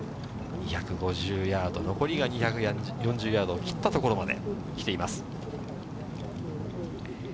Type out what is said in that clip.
１５０ヤード、残りが２４０ヤードを切った所まで来ています。